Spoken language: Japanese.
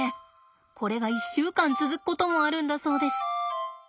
これが１週間続くこともあるんだそうです。